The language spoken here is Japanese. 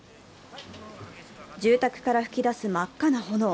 住宅から噴き出す真っ赤な炎。